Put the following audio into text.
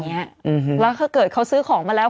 แล้วถ้าเกิดเขาซื้อของมาแล้ว